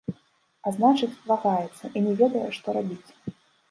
А значыць, вагаецца і не ведае, што рабіць.